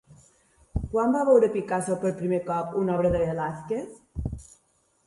Quan va veure Picasso per primer cop una obra de Velázquez?